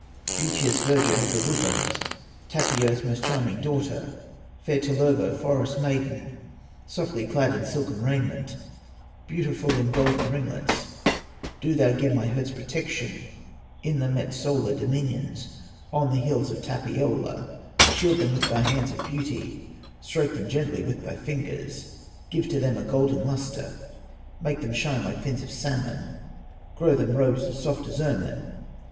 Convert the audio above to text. "Beauteous virgin of the woodlands, Tapio's most charming daughter, Fair Tellervo, forest maiden, Softly clad in silken raiment, Beautiful in golden ringlets, Do thou give my herds protection, In the Metsola dominions, On the hills of Tapiola; Shield them with thy hands of beauty, Stroke them gently with thy fingers, Give to them a golden lustre, Make them shine like fins of salmon, Grow them robes as soft as ermine.